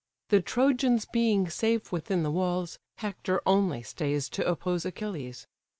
The Trojans being safe within the walls, Hector only stays to oppose Achilles.